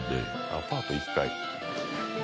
アパート１階？